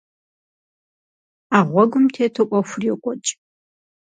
А гъуэгум тету Ӏуэхур йокӀуэкӀ.